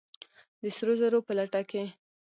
د سرو زرو په لټه کې!